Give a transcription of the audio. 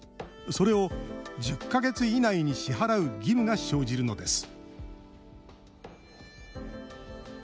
それを１０か月以内に支払う義務が生じるのです